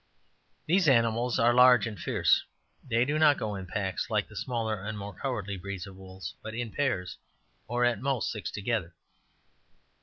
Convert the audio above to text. These animals are large and fierce; they do not go in packs, like the smaller and more cowardly breeds of wolves, but in pairs, or, at most, six together.